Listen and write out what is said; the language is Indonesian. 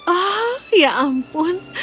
oh ya ampun